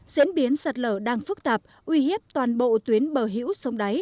diễn biến sạt lở đang phức tạp uy hiếp toàn bộ tuyến bờ